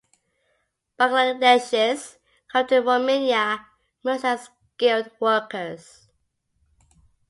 Bangladeshis come to Romania mostly as skilled workers.